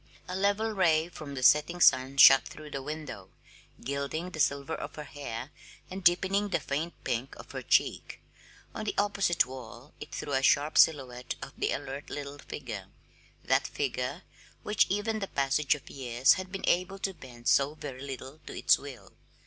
A level ray from the setting sun shot through the window, gilding the silver of her hair and deepening the faint pink of her cheek; on the opposite wall it threw a sharp silhouette of the alert little figure that figure which even the passage of years had been able to bend so very little to its will.